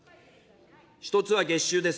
１つは月収です。